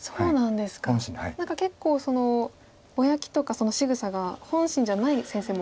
何か結構ぼやきとかしぐさが本心じゃない先生も。